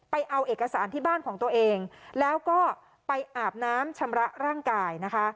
เอาเอกสารที่บ้านของตัวเองแล้วก็ไปอาบน้ำชำระร่างกายนะคะ